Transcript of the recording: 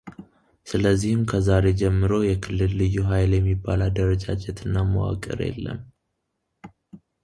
ስለዚህም ከዛሬ ጀምሮ የክልል ልዩ ኃይል የሚባል አደረጃጀት እና መዋቅር የለም